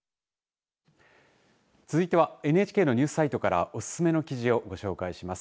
続いてはＮＨＫのニュースサイトからおすすめの記事をご紹介します。